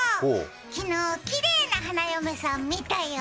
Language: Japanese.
昨日きれいな花嫁さん見たよ。